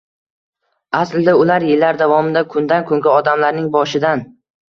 Aslida, ular yillar davomida kundan-kunga odamlarning boshidan